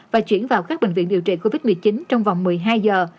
và chuyển vào các bệnh viện điều trị covid một mươi chín trong vòng một mươi hai giờ